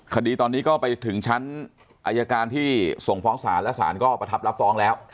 คดีตอนนี้ก็ไปถึงชั้นอายการที่ส่งฟ้องศาลและสารก็ประทับรับฟ้องแล้ว